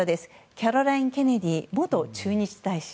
キャロライン・ケネディ元駐日大使。